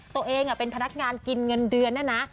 ตัวเองเป็นพนักงานกินเงินเดือนนะนะ